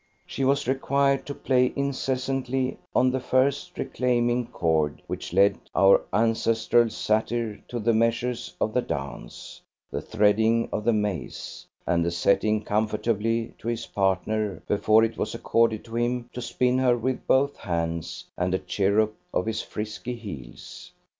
She was required to play incessantly on the first reclaiming chord which led our ancestral satyr to the measures of the dance, the threading of the maze, and the setting conformably to his partner before it was accorded to him to spin her with both hands and a chirrup of his frisky heels.